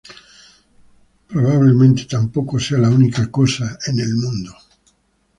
Probablemente tampoco sea la única 'cosa' en el mundo".